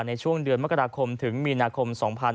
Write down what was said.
ในช่วงเดือนมกราคมถึงมีนาคม๒๕๖๒